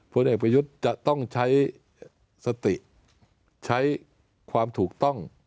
ผลเอกประยุทธ์จะต้องใช้สติใช้ความถูกต้อง